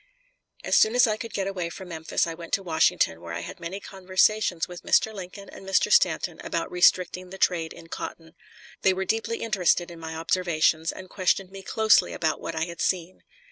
As soon as I could get away from Memphis I went to Washington, where I had many conversations with Mr. Lincoln and Mr. Stanton about restricting the trade in cotton. They were deeply interested in my observations, and questioned me closely about what I had seen.